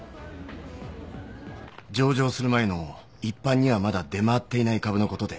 上場する前の一般にはまだ出回っていない株のことで。